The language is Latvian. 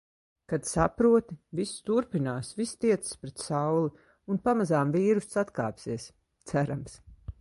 Kad saproti – viss turpinās, viss tiecas pret sauli. Un pamazām vīruss atkāpsies. Cerams.